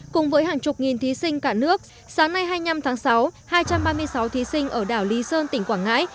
cùng với hàng chục nghìn thí sinh cả nước sáng nay hai mươi năm tháng sáu hai trăm ba mươi sáu thí sinh ở đảo lý sơn tỉnh quảng ngãi